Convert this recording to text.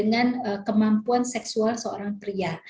tapi mangan itu lebih berhubungan dengan kemampuan seksual seorang pria